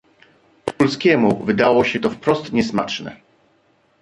"Wokulskiemu wydało się to wprost niesmaczne."